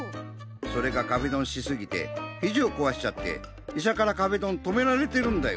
それが壁ドンしすぎてひじをこわしちゃっていしゃから壁ドンとめられてるんだよ。